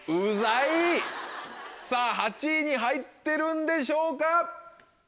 さぁ８位に入ってるんでしょうか？